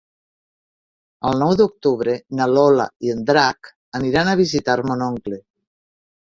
El nou d'octubre na Lola i en Drac aniran a visitar mon oncle.